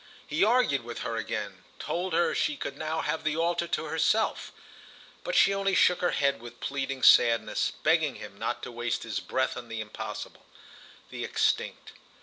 He argued with her again, told her she could now have the altar to herself; but she only shook her head with pleading sadness, begging him not to waste his breath on the impossible, the extinct.